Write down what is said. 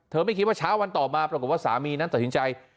เธอไม่คิดว่าเช้าวันต่อมาจนกลับสามีนั้นตัดสินใจ